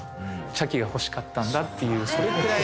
茶器が欲しかったんだっていうそれぐらい。